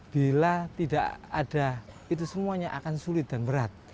bila tidak ada itu semuanya akan sulit dan berat